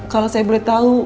kalau saya boleh tahu